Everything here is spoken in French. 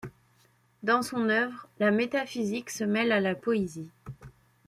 Dans son œuvre la métaphysique se mêle à la poésie.